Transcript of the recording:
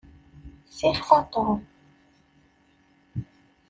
Sixef a Tom.